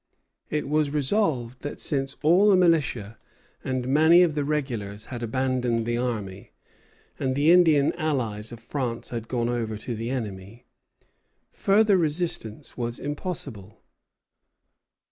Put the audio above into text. It was resolved that since all the militia and many of the regulars had abandoned the army, and the Indian allies of France had gone over to the enemy, further resistance was impossible.